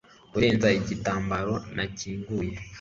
kurenza igitambara nakinguye